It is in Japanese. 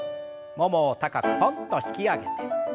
ももを高くポンと引き上げて。